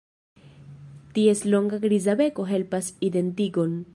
Ties longa griza beko helpas identigon.